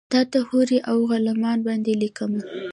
تاته حورې اوغلمان باندې لیکمه